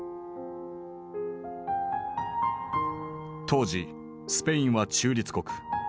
当時スペインは中立国。